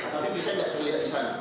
tapi bisa tidak terlihat di sana